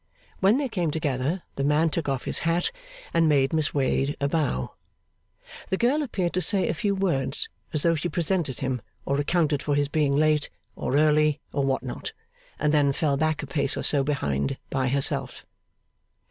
When they came together, the man took off his hat, and made Miss Wade a bow. The girl appeared to say a few words as though she presented him, or accounted for his being late, or early, or what not; and then fell a pace or so behind, by herself.